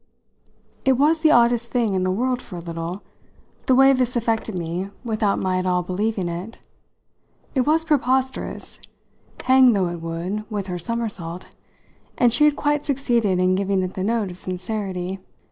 It was the oddest thing in the world for a little, the way this affected me without my at all believing it. It was preposterous, hang though it would with her somersault, and she had quite succeeded in giving it the note of sincerity.